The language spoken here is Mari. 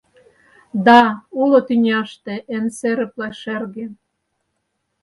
Да, уло тӱняште эн серыпле, шерге